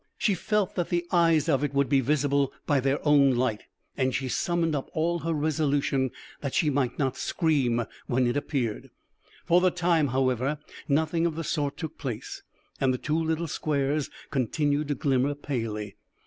She felt that the eyes of it would be visible by their own light, and she summoned up all her resolution that she might not scream when it appeared. For the time, however, nothing of the sort took place, and the two little squares continued to glimmer palely.